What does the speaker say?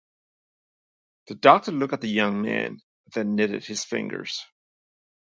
The doctor looked at the young man, then knitted his fingers.